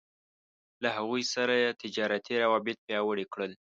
له هغوی سره يې تجارتي روابط پياوړي کړل.